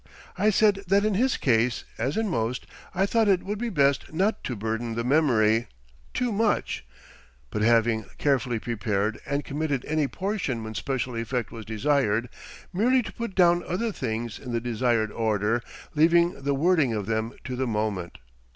I said that in his case, as in most, I thought it would be best not to burden the memory too much, but, having carefully prepared and committed any portion when special effect was desired, merely to put down other things in the desired order, leaving the wording of them to the moment."